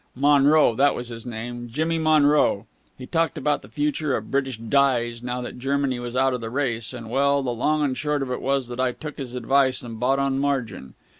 Monroe, that was his name, Jimmy Monroe. He talked about the future of British Dyes now that Germany was out of the race, and ... well, the long and short of it was that I took his advice and bought on margin.